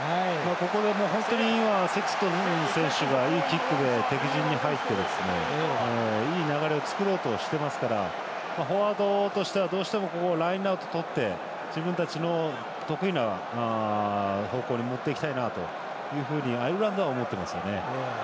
ここで本当にセクストン選手がいいキックで敵陣に入って、いい流れを作ろうとしていますからフォワードとしては、ここはどうしてもラインアウトとって自分たちの得意な方向に持っていきたいなとアイルランドは思っていますね。